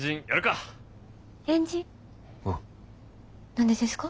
何でですか？